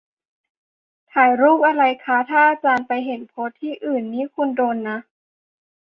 "ถ่ายรูปอะไรคะ" "ถ้าอาจารย์ไปเห็นโพสต์ที่อื่นนี่คุณโดนนะ"